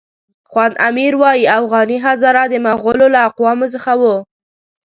خواند امیر وایي اوغاني هزاره د مغولو له اقوامو څخه وو.